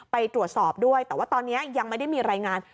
ไปตรวจสอบด้วยแต่ว่าตอนนี้ยังไม่ได้มีรายงาน